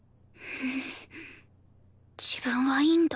自分はいいんだ。